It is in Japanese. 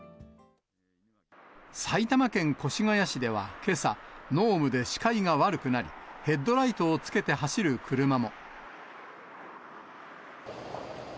埼玉県越谷市ではけさ、濃霧で視界が悪くなり、ヘッドライトをつけて走る車も。